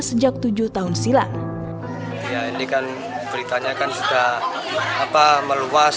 sejak tujuh tahun silam